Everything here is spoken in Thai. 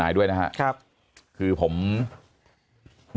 มีความรู้สึกว่า